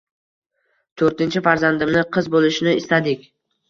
Toʻrtinchi farzandimni qiz boʻlishini istadik.